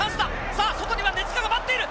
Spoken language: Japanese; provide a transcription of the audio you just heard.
さぁ外には根塚が待っている！